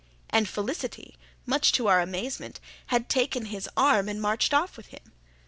And Felicity, much to our amazement, had taken his arm and marched off with him.